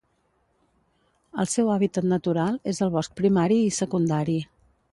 El seu hàbitat natural és el bosc primari i secundari.